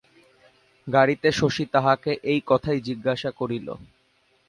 গাড়িতে শশী তাহাকে এই কথাই জিজ্ঞাসা করিল।